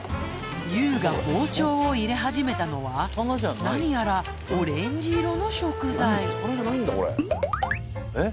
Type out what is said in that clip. ＹＯＵが包丁を入れ始めたのはなにやらオレンジ色の食材えっ？